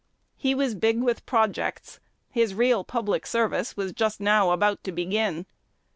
He was big with projects: his real public service was just now about to begin.